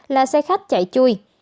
là xe khách chạy chui